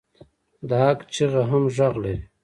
د حق چیغه هم غږ لري